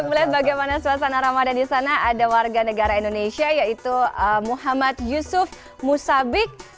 melihat bagaimana suasana ramadan di sana ada warga negara indonesia yaitu muhammad yusuf musabik